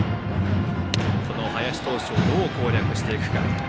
林投手をどう攻略していくか。